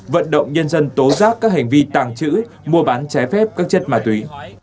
vận động nhân dân tố giác các hành vi tàng trữ mua bán trái phép các chất ma túy